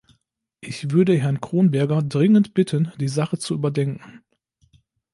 Ich würde Herrn Kronberger dringend bitten, die Sache zu überdenken.